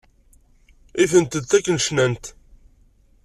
Ifent-t akken ay cnant.